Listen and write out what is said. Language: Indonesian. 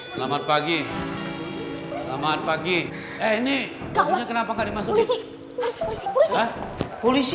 selamat pagi selamat pagi eh nih